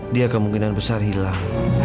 dia kemungkinan besar hilang